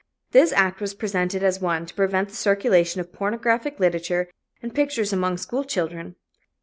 This act was presented as one to prevent the circulation of pornographic literature and pictures among school children.